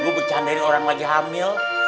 gue bercandain orang lagi hamil